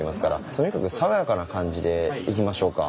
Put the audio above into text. とにかくさわやかな感じでいきましょうか。